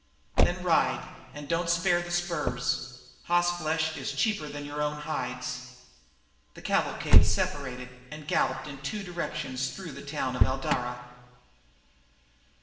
"Then ride, and don't spare the spurs. Hoss flesh is cheaper'n your own hides." The cavalcade separated and galloped in two directions through the town of Eldara.